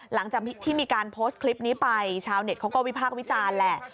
หลังจากที่มีการโพสต์คลิปนี้ไปชาวเน็ตเขาก็วิพากษ์วิจารณ์แหละ